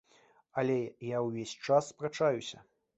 Але я ўвесь час спрачаюся.